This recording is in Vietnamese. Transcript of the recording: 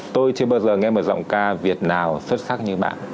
tôi chưa bao giờ nghe một giọng ca việt nào xuất sắc như bạn